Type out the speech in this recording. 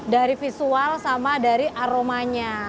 dari visual sama dari aromanya